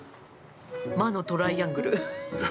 魔のトライアングル。